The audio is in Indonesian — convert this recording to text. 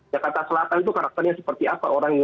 jakarta selatan itu karakternya seperti apa orangnya